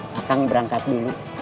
pak kang berangkat dulu